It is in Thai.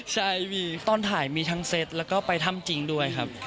ใช่มีตอนถ่ายมีทั้งเซตแล้วก็ไปถ้ำจริงด้วยครับ